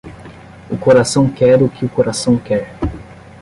O coração quer o que o coração quer.